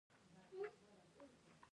د نغلو بند څومره بریښنا تولیدوي؟